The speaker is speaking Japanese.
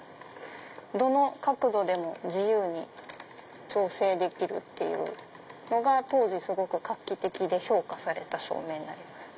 どの角度でも自由に調整できるっていうのが当時すごく画期的で評価された照明になります。